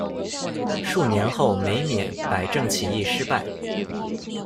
数年后梅免、百政起义失败。